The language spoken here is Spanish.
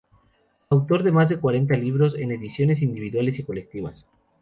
Autor de más de cuarenta libros, en ediciones individuales y colectivas.